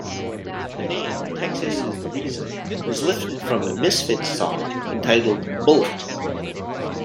The name "Texas Is the Reason" is lifted from a Misfits song, entitled "Bullet".